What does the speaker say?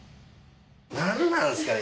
なんなんですかね？